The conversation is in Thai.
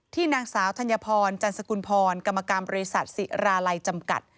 นางสาวธัญพรจันสกุลพรกรรมบริษัทศิราลัยจำกัด